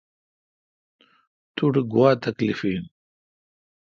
تو ٹھ گوا تکلیف این؟